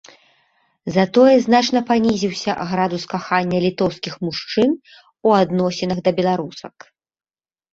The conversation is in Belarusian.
Затое значна панізіўся градус кахання літоўскіх мужчын у адносінах да беларусак.